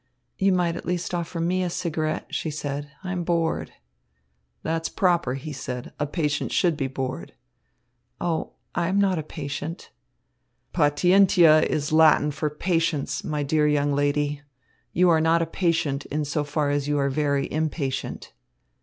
"You might at least offer me a cigarette," she said. "I am bored." "That's proper," he said. "A patient should be bored." "Oh, I am not a patient." "Patientia is the Latin for 'patience,' my dear young lady. You are not a patient in so far as you are very impatient."